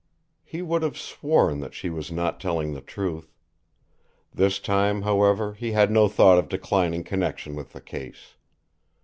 He would have sworn that she was not telling the truth. This time, however, he had no thought of declining connection with the case.